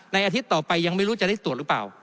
อาทิตย์ต่อไปยังไม่รู้จะได้ตรวจหรือเปล่า